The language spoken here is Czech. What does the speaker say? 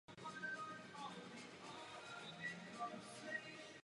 Přidružené státy jsou například Marshallovy ostrovy nebo Federativní státy Mikronésie.